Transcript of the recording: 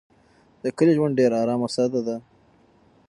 د کلي ژوند ډېر ارام او ساده دی.